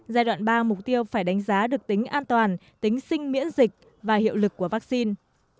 giai đoạn ba mục tiêu phải đánh giá được tính an toàn tính sinh miễn dịch và hiệu lực của vaccine